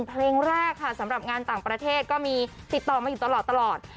เพลงแรกค่ะสำหรับงานต่างประเทศก็มีติดต่อมาอยู่ตลอด